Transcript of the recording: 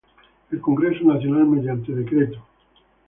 El Congreso Nacional mediante Decreto no.